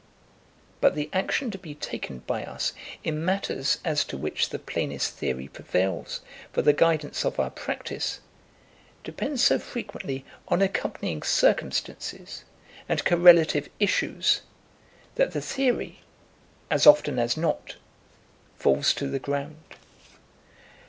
But the action to be taken by us in matters as to which the plainest theory prevails for the guidance of our practice, depends so frequently on accompanying circumstances and correlative issues, that the theory, as often as not, falls to the ground.